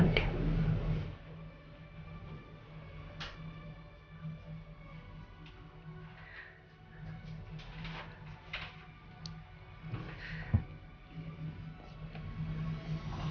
untuk masa lain